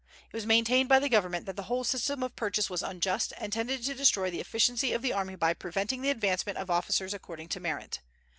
It was maintained by the government that the whole system of purchase was unjust, and tended to destroy the efficiency of the army by preventing the advancement of officers according to merit.